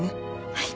はい。